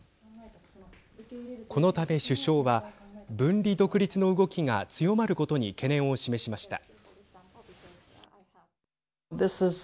このため首相は分離独立の動きが強まることに懸念を示しました。